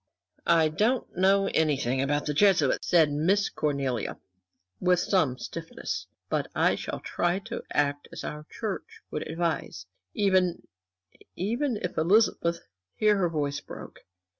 "I don't know anything about the Jesuits," said Miss Cornelia, with some stiffness, "but I shall try to act as our Church would advise, even even if Elizabeth" here her voice broke.